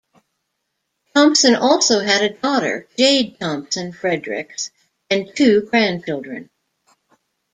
Thompson also had a daughter, Jade Thompson-Fredericks, and two grandchildren.